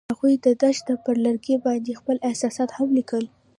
هغوی د دښته پر لرګي باندې خپل احساسات هم لیکل.